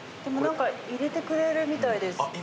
でも何か入れてくれるみたいです